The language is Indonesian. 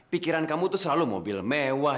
pikiran kamu tuh selalu mobil mewah